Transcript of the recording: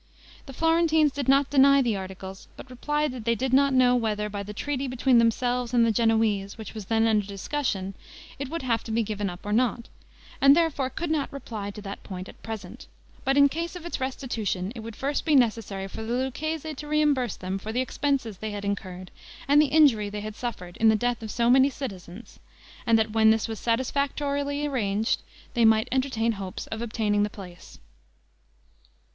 The Florentines did not deny the articles, but replied that they did not know whether, by the treaty between themselves and the Genoese, which was then under discussion, it would have to be given up or not, and therefore could not reply to that point at present; but in case of its restitution, it would first be necessary for the Lucchese to reimburse them for the expenses they had incurred and the injury they had suffered, in the death of so many citizens; and that when this was satisfactorily arranged, they might entertain hopes of obtaining the place.